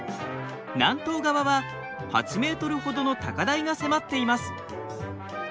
南東側は８ｍほどの高台が迫っています。